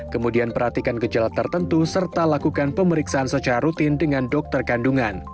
kemudian perhatikan gejala tertentu serta lakukan pemeriksaan secara rutin dengan dokter kandungan